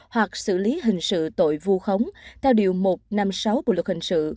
hoặc xử lý hình sự tội vu khống theo điều một trăm năm mươi sáu bộ luật hình sự